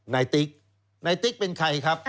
ติ๊กนายติ๊กเป็นใครครับ